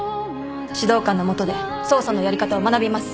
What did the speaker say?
指導官の下で捜査のやり方を学びます。